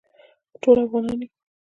ټول افغانان یو